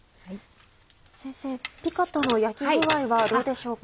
先生ピカタの焼き具合はどうでしょうか？